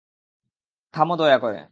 থামো দয়া করে।